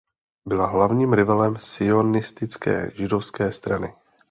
Byla hlavním rivalem sionistické Židovské strany.